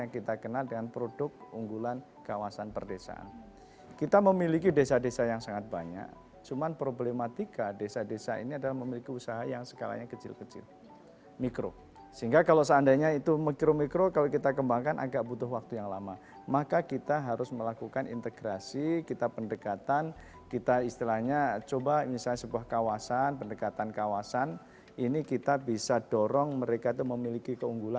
kita kerjasama dengan kejaksaan agung